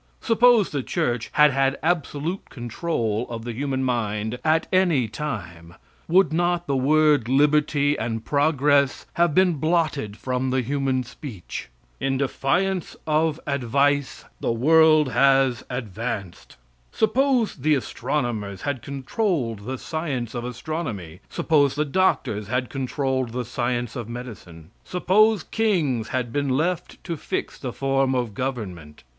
Suppose the church had had absolute control of the human mind at any time, would not the word liberty and progress have been blotted from the human speech? In defiance of advice, the world has advanced. Suppose the astronomers had controlled the science of astronomy; suppose the doctors had controlled the science of medicine; suppose kings had been left to fix the form of government!